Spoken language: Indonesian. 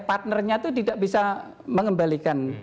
partnernya itu tidak bisa mengembalikan